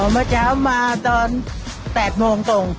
เมื่อเช้ามาตอน๘โมงตรง